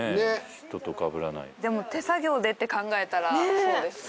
人とかぶらないでも手作業でって考えたらそうですね